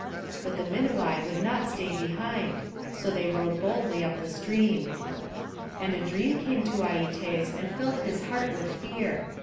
But the Minuai would not stay behind, so they rowed boldly up the stream. And a dream came to Aietes, and filled his heart with fear.